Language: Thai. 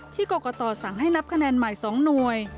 กรกตสั่งให้นับคะแนนใหม่๒หน่วย